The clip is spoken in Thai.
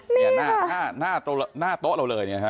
นี่หน้าโต๊ะเราเลย